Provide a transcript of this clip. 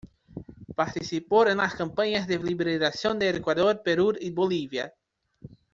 Participó en las campañas de liberación de Ecuador, Perú y Bolivia.